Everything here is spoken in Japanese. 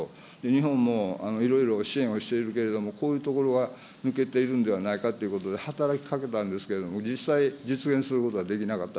日本もいろいろ支援をしているけれども、こういうところは抜けているんではないかということで、働きかけたんですけれども、実際、実現することができなかった。